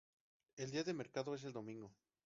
El día de mercado es el domingo.